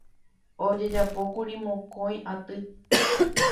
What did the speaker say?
Ojejapókuri mokõi aty.